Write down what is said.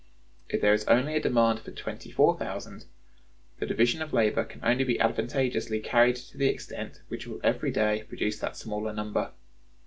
If there is only a demand for twenty four thousand, the division of labor can only be advantageously carried to the extent which will every day produce that smaller number.